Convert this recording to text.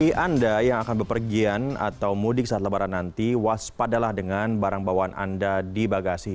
jadi anda yang akan berpergian atau mudik saat lebaran nanti waspadalah dengan barang bawaan anda di bagasi